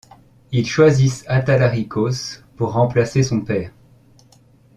Ils choisissent Athalarichos pour remplacer son père.